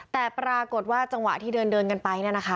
แต่ปรากฏว่าจังหวะที่เดินกันไป